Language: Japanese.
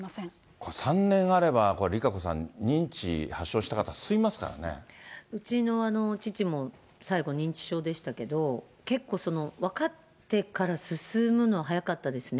これ３年あれば、ＲＩＫＡＣＯさん、うちの父も最後認知症でしたけど、結構分かってから進むの、速かったですね。